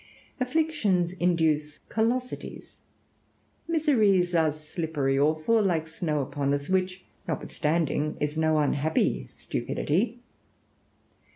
Afflictions induce callosities; miseries are slippery, or fall like snow upon us, which notwithstanding is no unhappy stupidity.